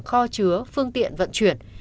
kho chứa phương tiện vận chuyển